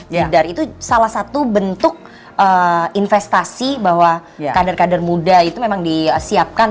jadi dari itu salah satu bentuk investasi bahwa kader kader muda itu memang disiapkan